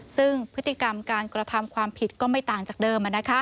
ซึ่งพฤติกรรมการกระทำความผิดก็ไม่ต่างจากเดิม